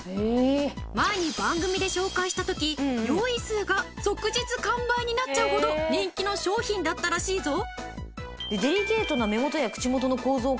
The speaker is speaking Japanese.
前に番組で紹介した時用意数が即日完売になっちゃうほど人気の商品だったらしいぞ。